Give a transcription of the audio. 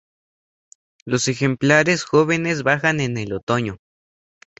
Los ejemplares jóvenes bajan en el otoño.